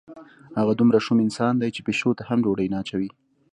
هغه دومره شوم انسان دی چې پیشو ته هم ډوډۍ نه اچوي.